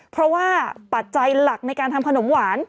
เพราะว่าปัจจัยหลักในการทำขนมหวาน